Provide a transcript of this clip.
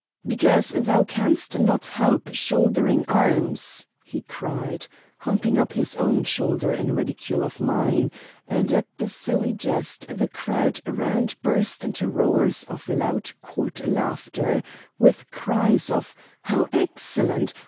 "Because thou canst not help shouldering arms," he cried, humping up his own shoulder in ridicule of mine; and at the silly jest the crowd round burst into roars of loud Court laughter, with cries of "How excellent!"